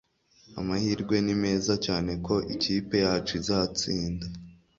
Amahirwe ni meza cyane ko ikipe yacu izatsinda